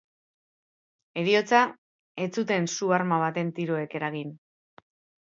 Heriotza ez zuten su-arma baten tiroek eragin.